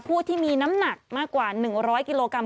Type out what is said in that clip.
ผู้ที่มีน้ำหนักมากกว่า๑๐๐กิโลกรัม